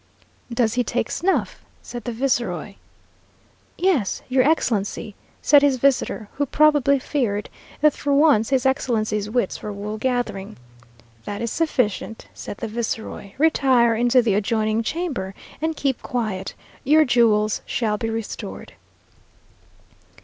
"Does he take snuff?" said the viceroy. "Yes, your Excellency," said his visitor, who probably feared that for once his Excellency's wits were wool gathering. "That is sufficient," said the viceroy; "retire into the adjoining chamber and keep quiet your jewels shall be restored."